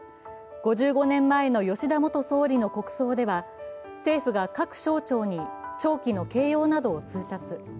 ５５年前の吉田元総理の国葬では政府が各省庁に弔旗の掲揚などを通達。